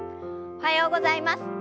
おはようございます。